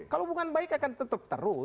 kalau hubungan baik akan tetap terus